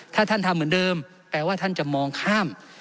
ถ้าท่านทำเหมือนเดิมแปลว่าท่านจะมองข้าม